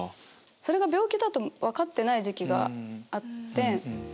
それが病気だと分かってない時期があって。